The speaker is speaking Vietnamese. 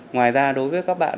ngoài ra đối với các bạn